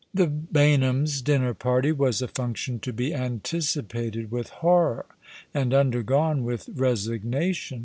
The Baynhams' dinner party was a function to be antici pated with horror, and undergone with resignation.